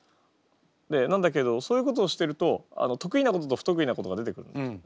でなんだけどそういうことをしてると得意なことと不得意なことが出てくるんですよね。